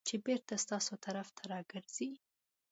چې بېرته ستاسو طرف ته راګرځي .